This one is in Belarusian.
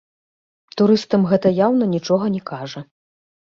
Турыстам гэта яўна нічога не кажа.